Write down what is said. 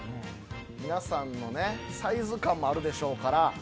皆さんのねサイズ感もあるでしょうから。